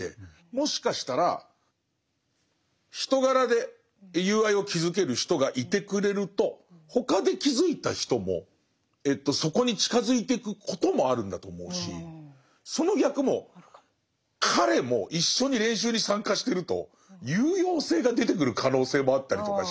もしかしたら人柄で友愛を築ける人がいてくれると他で築いた人もそこに近づいてくこともあるんだと思うしその逆も彼も一緒に練習に参加してると有用性が出てくる可能性もあったりとかして。